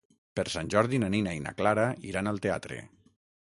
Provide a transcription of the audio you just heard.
Per Sant Jordi na Nina i na Clara iran al teatre.